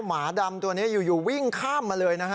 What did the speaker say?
หมาดำตัวนี้อยู่วิ่งข้ามมาเลยนะฮะ